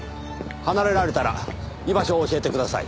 離れられたら居場所を教えてください。